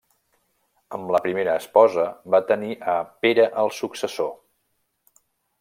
Amb la primera esposa va tenir a Pere el successor.